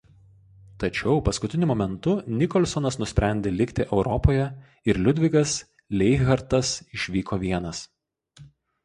Tačiau paskutiniu momentu Nikolsonas nusprendė likti Europoje ir Liudvigas Leichhardtas išvyko vienas.